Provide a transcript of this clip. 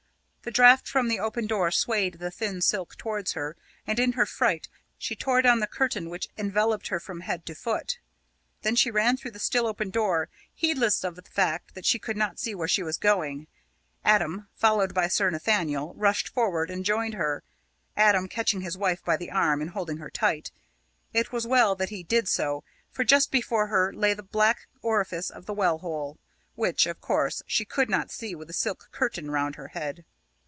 The draught from the open door swayed the thin silk towards her, and in her fright, she tore down the curtain, which enveloped her from head to foot. Then she ran through the still open door, heedless of the fact that she could not see where she was going. Adam, followed by Sir Nathaniel, rushed forward and joined her Adam catching his wife by the arm and holding her tight. It was well that he did so, for just before her lay the black orifice of the well hole, which, of course, she could not see with the silk curtain round her head.